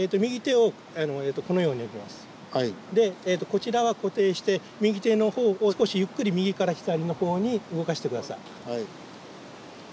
こちらは固定して右手の方を少しゆっくり右から左の方に動かして下さい。